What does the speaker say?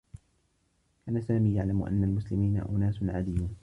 كان سامي يعلم أنّ المسلمين أناس عاديّون.